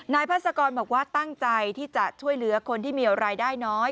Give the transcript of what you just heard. พาสกรบอกว่าตั้งใจที่จะช่วยเหลือคนที่มีรายได้น้อย